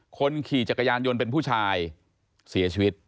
คนขี่จักรยานยนต์เป็นผู้ชายเสียชีวิต